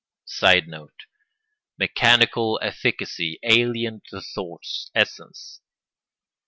[Sidenote: Mechanical efficacy alien to thought's essence.